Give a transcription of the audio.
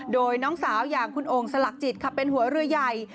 โดยน้องสาวอย่างคุณโอ่งสลักจิตค่ะเป็นหัวเรือใหญ่